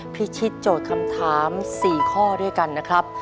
พิชิตโจทย์คำถาม๔ข้อด้วยกันนะครับ